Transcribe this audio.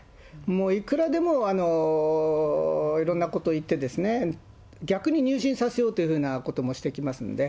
もういくらでもいろんなこと言って、逆に入信させようというふうなこともしてきますんで。